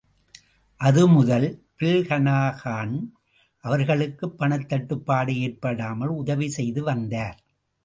அதுமுதல் Bill Shanahan, அவர்களுக்குப் பணத்தட்டுப்பாடு ஏற்படாமல் உதவிசெய்துவந்தார்.